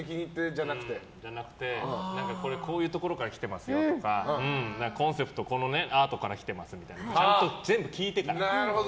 じゃなくて、これこういうところから来てますよとかコンセプトはこのアートから来てますとかちゃんと全部聞いてから。